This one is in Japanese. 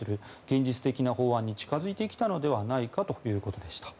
現実的な法案に近づいてきたのではないかということでした。